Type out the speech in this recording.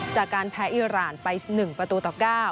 จากการแพ้อิราณไป๑ประตูต่อ๙